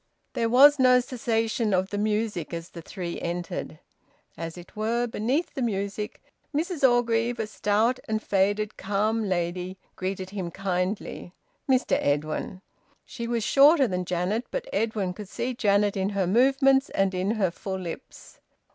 There was no cessation of the music as the three entered. As it were beneath the music, Mrs Orgreave, a stout and faded calm lady, greeted him kindly: "Mr Edwin!" She was shorter than Janet, but Edwin could see Janet in her movements and in her full lips.